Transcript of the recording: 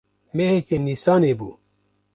Meheke Nîsanê bû.